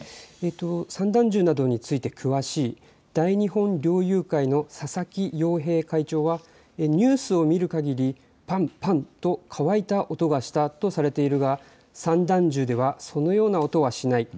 散弾銃などについて詳しい大日本猟友会の佐々木洋平会長はニュースを見るかぎりパンパンと乾いた音がしたとされているが散弾銃ではそのような音はしない。